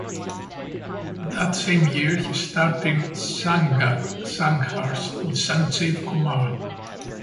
That same year he starred in "Sangharsh" with Sanjeev Kumar.